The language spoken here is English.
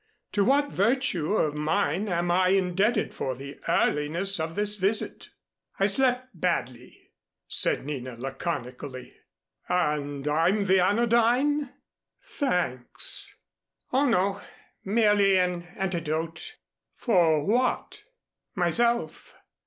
"To what virtue of mine am I indebted for the earliness of this visit?" "I slept badly," said Nina laconically. "And I'm the anodyne? Thanks." "Oh, no; merely an antidote." "For what?" "Myself.